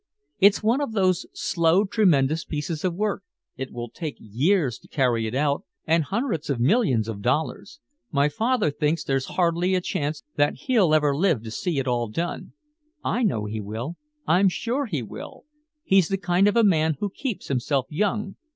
It's one of those slow tremendous pieces of work, it will take years to carry it out and hundreds of millions of dollars. My father thinks there's hardly a chance that he'll ever live to see it all done. I know he will, I'm sure he will, he's the kind of a man who keeps himself young.